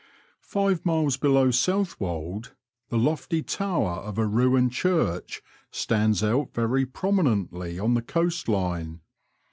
Five miles below South wold the lofty tower of a ruined church stands out very prominently on the coast line.